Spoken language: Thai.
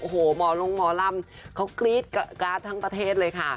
โอ้โหหมอลงหมอลำเขากรี๊ดการ์ดทั้งประเทศเลยค่ะ